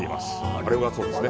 あっ、そうですね。